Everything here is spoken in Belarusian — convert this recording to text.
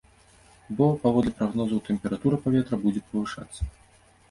Бо, паводле прагнозаў, тэмпература паветра будзе павышацца.